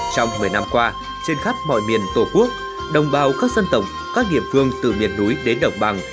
trong một mươi năm qua trên khắp mọi miền tổ quốc đồng bào các dân tộc các địa phương từ miền núi đến đồng bằng